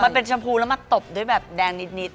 มันเป็นชมพูแล้วมาตบด้วยแบบแดงนิด